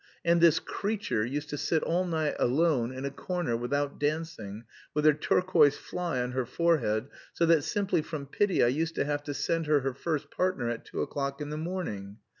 And this creature used to sit all night alone in a corner without dancing, with her turquoise fly on her forehead, so that simply from pity I used to have to send her her first partner at two o'clock in the morning.